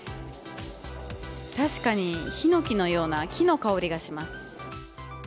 確かに、ヒノキのような木の香りがします。